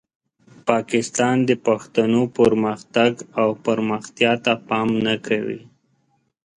پاکستان د پښتنو پرمختګ او پرمختیا ته پام نه کوي.